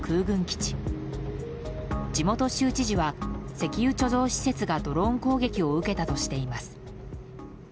地元州知事は石油貯蔵施設がドローン攻撃を受けたとしています。